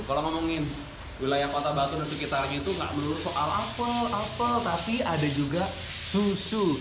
kalau ngomongin wilayah kota batu dan sekitarnya itu nggak melulu soal apel apel tapi ada juga susu